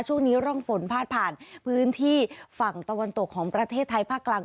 ช่วงนี้ร่องฝนพาดผ่านพื้นที่ฝั่งตะวันตกของประเทศไทยภาคกลาง